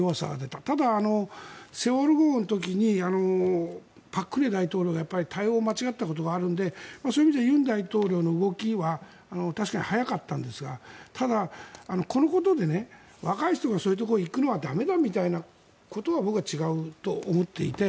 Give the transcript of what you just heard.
ただ、「セウォル号」の時に朴槿惠大統領がやっぱり対応を間違ったことがあるのでそういう意味じゃ尹大統領の動きは確かに早かったんですがただ、このことで若い人がそういうところに行くのは駄目だみたいなことは僕は違うと思っていて。